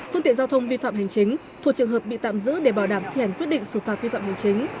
phương tiện giao thông vi phạm hành chính thuộc trường hợp bị tạm giữ để bảo đảm thi hành quyết định xử phạt vi phạm hành chính